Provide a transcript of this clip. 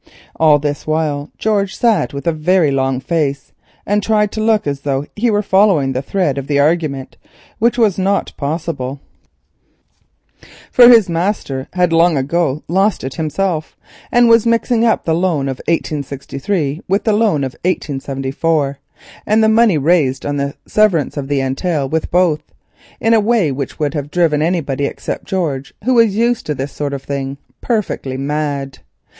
All this while George sat with a very long face, and tried to look as though he were following the thread of the argument, which was not possible, for his master had long ago lost it himself, and was mixing up the loan of 1863 with the loan of 1874, and the money raised in the severance of the entail with both, in a way which would have driven anybody except George, who was used to this sort of thing, perfectly mad.